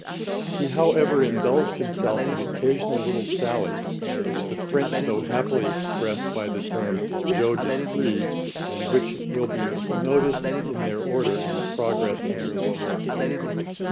He however indulged himself in occasional little sallies, which the French so happily express by the term jeux d'esprit, and which will be noticed in their order, in the progress of this work.